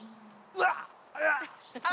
うわっ！